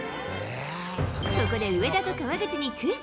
そこで上田と川口にクイズ。